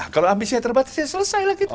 kalau ambisinya terbatas ya selesai lah gitu